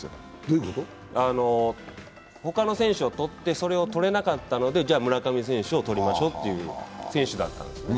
他の選手をとって、それをとれなかったのでじゃあ村上選手を取りましょうという選手だったんです。